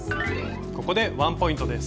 ここでワンポイントです。